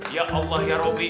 ya allah ya rabbi